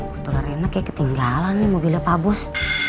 botolnya rena kayaknya ketinggalan di mobilnya pak bos